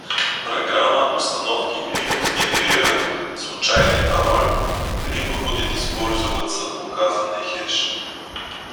Программа установки либо сгенерирует случайный пароль, либо будет использоваться указанный хэш